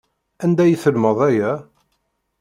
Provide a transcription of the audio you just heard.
Anda ay telmed aya?